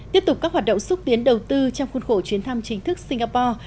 tiếp tục các hoạt động xúc tiến đầu tư trong khuôn khổ chuyến thăm chính thức singapore